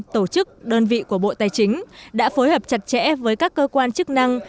tổ chức đơn vị của bộ tài chính đã phối hợp chặt chẽ với các cơ quan chức năng